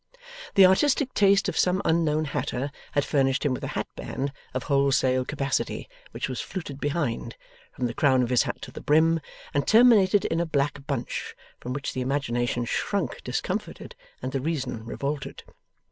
The artistic taste of some unknown hatter had furnished him with a hatband of wholesale capacity which was fluted behind, from the crown of his hat to the brim, and terminated in a black bunch, from which the imagination shrunk discomfited and the reason revolted.